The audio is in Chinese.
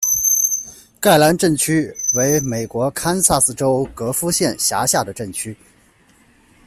盖兰镇区为美国堪萨斯州戈夫县辖下的镇区。